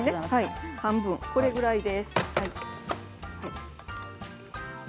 半分、これぐらいです。